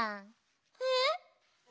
えっ？